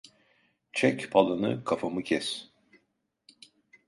Çek palanı kafamı kes!